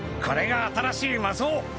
これが新しい魔槍